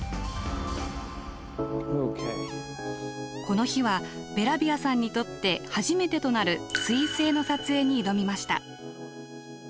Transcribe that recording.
この日はベラビアさんにとって初めてとなる彗星の撮影に挑みました。